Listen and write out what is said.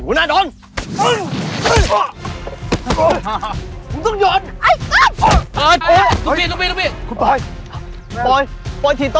เห้ยไอ้พี่